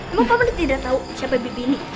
emang paman tidak tahu siapa baby ini